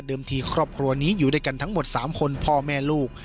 ทีครอบครัวนี้อยู่ด้วยกันทั้งหมด๓คนพ่อแม่ลูก